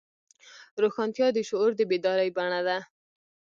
روښانتیا د شعور د بیدارۍ بڼه ده.